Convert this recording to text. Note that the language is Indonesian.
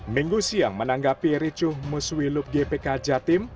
minggu siang menanggapi ricuh muswiluk gpk jatim